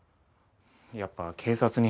やっぱ警察に。